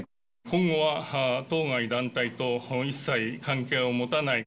今後は当該団体と一切関係を持たない。